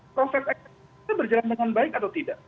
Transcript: proses eksekutif itu berjalan dengan baik atau tidak